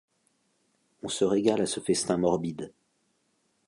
On se régale à ce festin morbide.